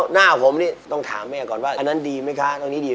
หน้าผมนี่ต้องถามแม่ก่อนว่าอันนั้นดีไหมคะตรงนี้ดี